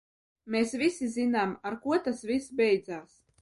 Mēs visi zinām, ar ko tas viss beidzās.